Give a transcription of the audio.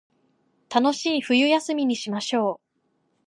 楽しい冬休みにしましょう